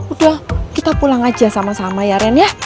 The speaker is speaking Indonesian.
udah kita pulang aja sama sama ya ren ya